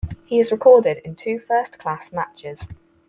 He is recorded in two first-class matches.